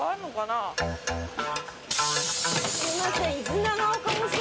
すみません。